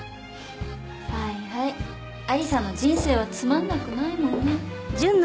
はいはいアリサの人生はつまんなくないもんね。